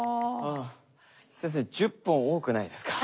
先生１０本多くないですか？